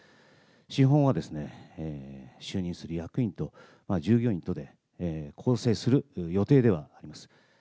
資本は、就任する役員と従業員とで構成する予定ではあります。